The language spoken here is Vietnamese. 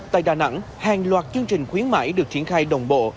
tại đà nẵng hàng loạt chương trình khuyến mãi được triển khai đồng bộ